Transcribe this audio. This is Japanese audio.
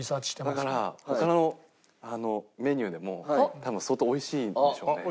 だから他のメニューでも多分相当おいしいんでしょうね。